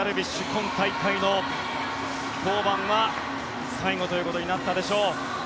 今大会の登板は最後ということになったでしょう。